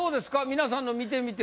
皆さんの見てみて。